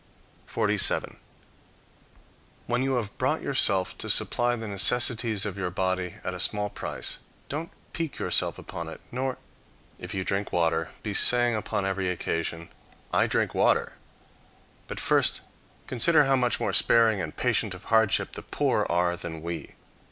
47. When you have brought yourself to supply the necessities of your body at a small price, don't pique yourself upon it; nor, if you drink water, be saying upon every occasion, "I drink water." But first consider how much more sparing and patient of hardship the poor are than we.